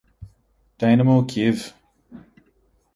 Dynamo Kyiv